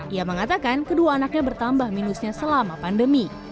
ia mengatakan kedua anaknya bertambah minusnya selama pandemi